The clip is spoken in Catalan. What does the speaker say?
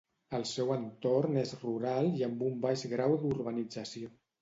El seu entorn és rural i amb un baix grau d'urbanització.